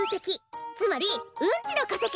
つまりうんちのかせき！